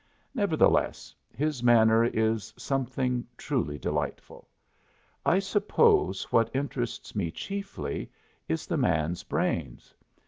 Nevertheless, his manner is something truly delightful. I suppose what interests me chiefly is the man's brains.